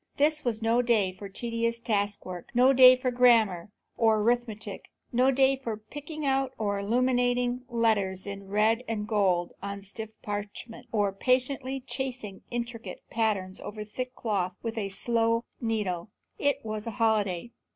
This was no day for tedious task work, no day for grammar or arithmetic, no day for picking out illuminated letters in red and gold on stiff parchment, or patiently chasing intricate patterns over thick cloth with the slow needle. It was a holiday.